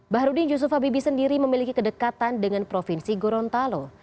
baharudin yusuf habibie sendiri memiliki kedekatan dengan provinsi gorontalo